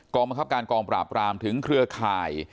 บังคับการกองปราบรามถึงเครือข่าย